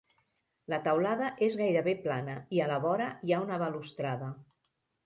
La teulada és gairebé plana, i a la vora hi ha una balustrada.